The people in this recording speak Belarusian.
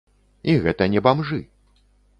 І гэта не бамжы.